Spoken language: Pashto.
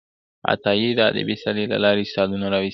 عطایي د ادبي سیالۍ له لارې استعدادونه راویستلي دي.